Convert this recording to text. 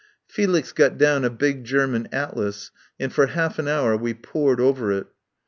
Felix got down a big German atlas, and for half an hour we pored over it.